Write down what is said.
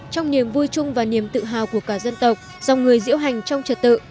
trong niềm vui chung và niềm tự hào của cả dân tộc dòng người diễu hành trong trật tự